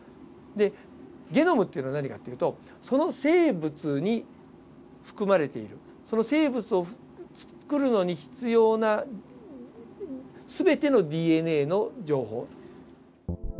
でゲノムっていうのは何かっていうとその生物に含まれているその生物を作るのに必要な全てのＤＮＡの情報。